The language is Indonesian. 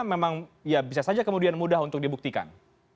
memang ya bisa saja kemudian mudah untuk dibuktikan